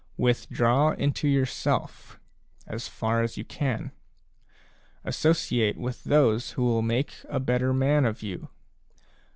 Withdraw into yourself, as far as you can. Associate with those who will make a better man of you.